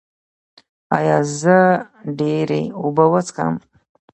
ایا زه ډیرې اوبه وڅښم؟